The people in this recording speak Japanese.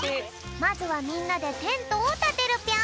まずはみんなでテントをたてるぴょん。